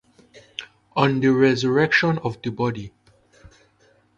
"On the Resurrection of the Body".